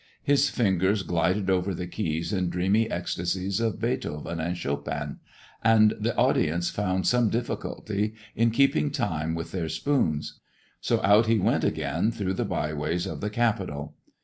His fingers glided over the keys in dreamy ecstasies of Beethoven and Chopin, and the audience found some difficulty in keeping time with their spoons. So out he went again through the byways of the capital.